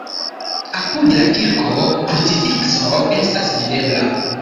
Apud la kirko krucifikso estas videbla.